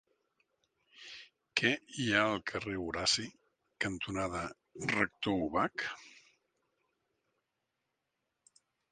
Què hi ha al carrer Horaci cantonada Rector Ubach?